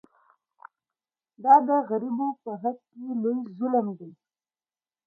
دا د غریبو په حق کې لوی ظلم دی.